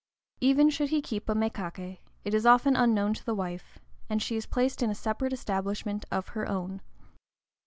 Even should he keep mékaké, it is often unknown to the wife, and she is placed in a separate establishment of her own.